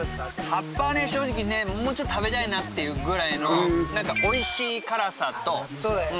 葉っぱはね正直ねもうちょっと食べたいなっていうぐらいの何かおいしい辛さとそうだよね